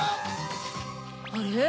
あれ？